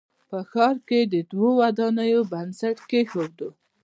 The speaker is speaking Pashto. په ښار کښې د دوو ودانیو بنسټ کېښودل شو